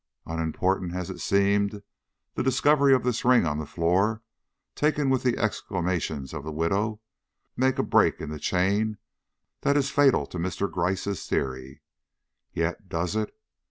Unimportant as it seemed, the discovery of this ring on the floor, taken with the exclamations of the widow, make a break in the chain that is fatal to Mr. Gryce's theory. Yet does it?